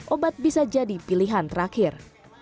obat bisa jadi pilihan terakhir